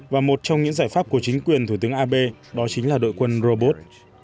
và một trong những giải pháp của chính quyền thủ tướng abe đó chính là đội quân robot